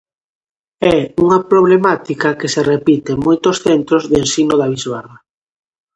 É unha problemática que se repite en moitos centros de ensino da bisbarra.